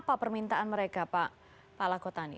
apa permintaan mereka pak lakotani